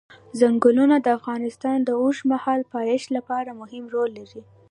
ځنګلونه د افغانستان د اوږدمهاله پایښت لپاره مهم رول لري.